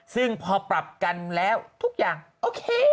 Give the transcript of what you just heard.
ซึ่งพอปรับกันแล้วทุกอย่างโอเค